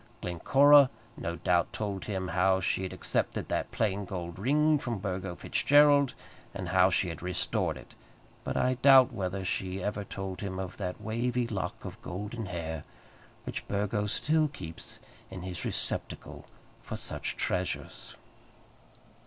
Glencora no doubt told him how she had accepted that plain gold ring from Burgo Fitzgerald, and how she had restored it; but I doubt whether she ever told him of that wavy lock of golden hair which Burgo still keeps in his receptacle for such treasures.